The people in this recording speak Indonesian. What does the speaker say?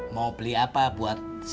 mau beli apa buat si tini sama keluarganya